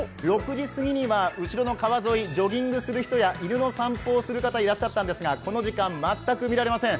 ６時過ぎには後ろの川沿い、ジョギングする人や犬の散歩をする方がいらっしゃったんですが、この時間１人もいらっしゃいません。